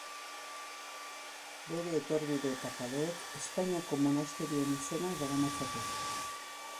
Bere etorbide eta kaleek Espainiako monasterioen izenak daramatzate.